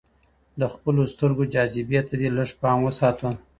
د خپلو سترګو جاذبې ته دې لږ پام وساته